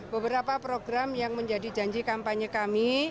beberapa program yang menjadi janji kampanye kami